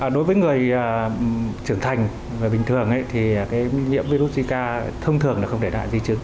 đối với người trưởng thành và bình thường thì cái nhiễm virus zika thông thường là không để đại di chứng